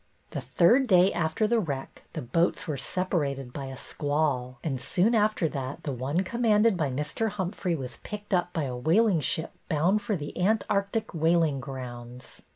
The third day after RETURN OF THE MARINER 235 the wreck the boats were separated by a squall, and soon after that the one commanded by Mr. Humphrey was picked up by a whal ing ship bound for the Antarctic whaling grounds.